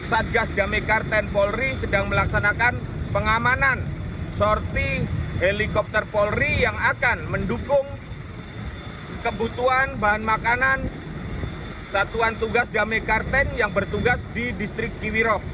satgas damekar tni polri sedang melaksanakan pengamanan sorti helikopter polri yang akan mendukung kebutuhan bahan makanan satuan tugas damekarten yang bertugas di distrik kiwirok